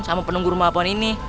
sama penunggu rumah pohon ini